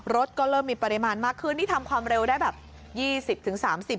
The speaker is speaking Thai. รถก็เริ่มมีปริมาณมากขึ้นนี่ทำความเร็วได้แบบ